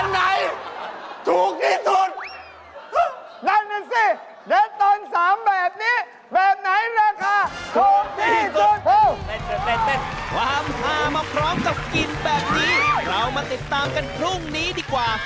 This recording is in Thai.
เรามาติดตามกันพรุ่งนี้ดีกว่า